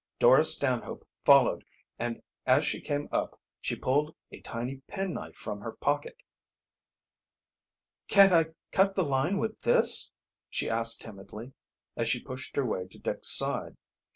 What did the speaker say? Dora Stanhope followed, and as she came up she pulled a tiny penknife from her pocket. "Can't I cut the line with this?" she asked, timidly, as she pushed her way to Dick's side.